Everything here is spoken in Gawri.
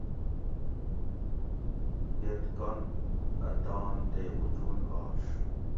دیتکن ا دان تے اوچون آش